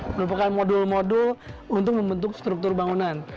merupakan modul modul untuk membentuk struktur bangunan